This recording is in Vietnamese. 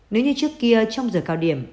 nếu như trước kia trong giờ cao điểm